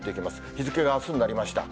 日付があすになりました。